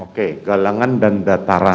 oke galangan dan dataran